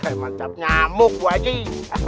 ha pereman cap nyamuk wajih